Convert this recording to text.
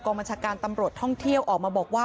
บัญชาการตำรวจท่องเที่ยวออกมาบอกว่า